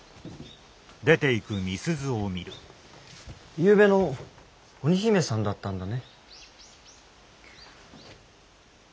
ゆうべの鬼姫さんだったんだね。